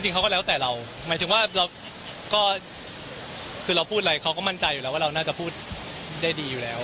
เขาก็แล้วแต่เราหมายถึงว่าเราก็คือเราพูดอะไรเขาก็มั่นใจอยู่แล้วว่าเราน่าจะพูดได้ดีอยู่แล้ว